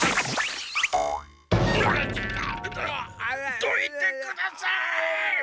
どいてください。